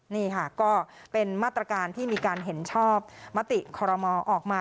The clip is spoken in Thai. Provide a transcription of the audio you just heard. นี่ค่ะก็เป็นมาตรการที่มีการเห็นชอบมติคอรมอออกมา